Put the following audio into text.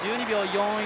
４１